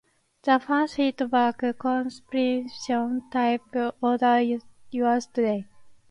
The Fans Hit Back Compilation Tape -- Order Yours Today!